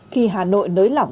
khi hà nội nới lỏng